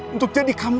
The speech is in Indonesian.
untuk jadi kamu